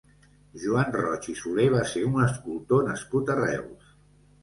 Joan Roig i Solé va ser un escultor nascut a Reus.